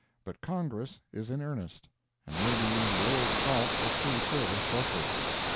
But Congress is in earnest, and maybe the old salts will see service shortly.